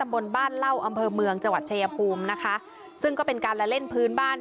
บนบ้านเหล้าอำเภอเมืองจังหวัดชายภูมินะคะซึ่งก็เป็นการละเล่นพื้นบ้าน